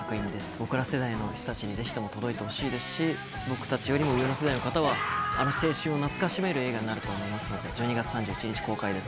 僕ら世代の人たちにぜひとも届いてほしいですし、僕たちよりも上の世代の方は、あの青春を懐かしめる映画になると思いますので、１２月３１日公開です。